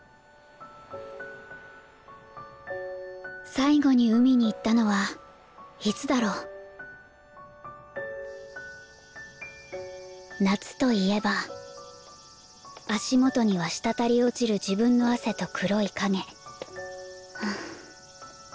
最後に海に行ったのはいつだろう「夏」といえば足元には滴り落ちる自分の汗と黒い影ふう。